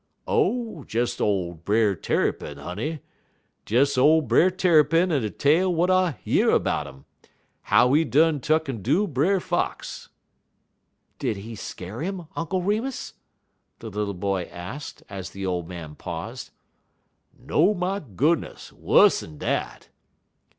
"Oh, des ole Brer Tarrypin, honey; des ole Brer Tarrypin en a tale w'at I year 'bout 'im, how he done tuck'n do Brer Fox." "Did he scare him, Uncle Remus?" the little boy asked, as the old man paused. "No, my goodness! Wuss'n dat!"